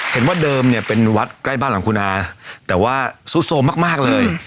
เห็นว่าเดิมเนี่ยเป็นวัดใกล้บ้านหลังคุณอาแต่ว่าซุดโทรมมากเลย